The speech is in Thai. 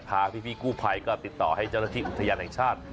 ทางพี่กู้ภัยก็ติดต่อให้เจ้าหน้าที่อุทยานแห่งชาติ